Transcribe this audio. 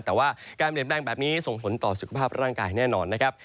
แต่ว่าการเปลี่ยนแปลงแบบนี้ส่งผลต่อสุขภาพร่างกายแน่นอนนะครับ